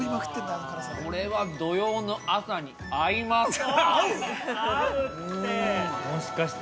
これは土曜の朝に合います。